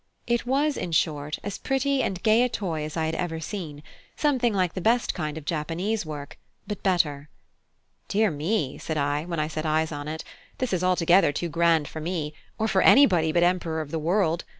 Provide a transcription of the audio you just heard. It was, in short, as pretty and gay a toy as I had ever seen; something like the best kind of Japanese work, but better. "Dear me!" said I, when I set eyes on it, "this is altogether too grand for me, or for anybody but the Emperor of the World.